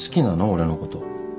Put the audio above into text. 俺のこと。